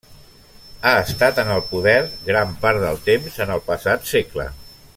Ha estat en el poder gran part del temps en el passat segle.